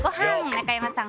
中山さん